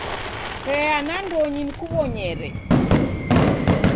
Seya nandonyi nkuw'onyere.